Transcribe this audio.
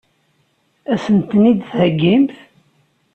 Ad sen-ten-id-theggimt?